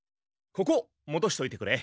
ここもどしといてくれ。